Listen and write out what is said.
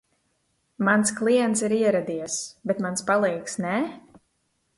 Mans klients ir ieradies, bet mans palīgs nē?